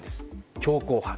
強硬派。